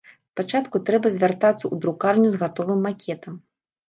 Спачатку трэба звяртацца ў друкарню з гатовым макетам.